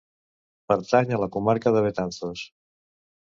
Pertany a la Comarca de Betanzos.